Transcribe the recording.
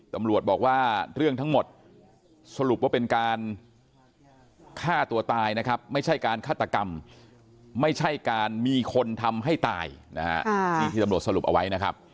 ตำรวจบอกว่าเรื่องทั้งหมดสรุปว่าเป็นการฆ่าตัวตายนะครับไม่ใช่การฆาตกรรมไม่ใช่การมีคนทำให้ตาย